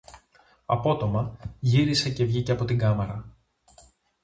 Απότομα, γύρισε και βγήκε από την κάμαρα